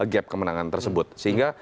gap kemenangan tersebut sehingga